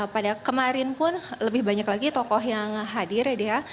pada kemarin pun lebih banyak lagi tokoh yang hadir ya dea